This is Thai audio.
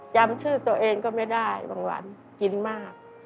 จำชื่อตัวเองก็ไม่ได้บางวันกินมาก